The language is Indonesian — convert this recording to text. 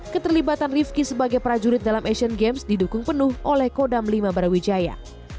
keterlibatan rifki sebagai prajurit dalam asian games didukung penuh oleh kodam lima brawijaya